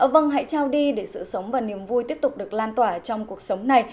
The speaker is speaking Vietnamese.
vâng hãy trao đi để sự sống và niềm vui tiếp tục được lan tỏa trong cuộc sống này